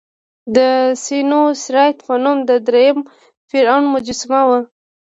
د سینوسریت په نوم د دریم فرعون مجسمه وه.